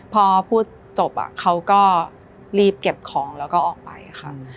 พอพูดจบเขาก็รีบเก็บของแล้วก็ออกไปค่ะ